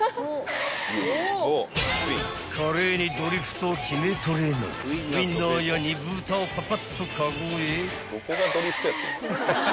［華麗にドリフト決めトレノウインナーや煮豚をパパッとカゴへ］